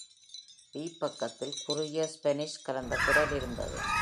பி-பக்கத்தில் குறுகிய ஸ்பானிஷ் கலந்த குரல் இருந்தது.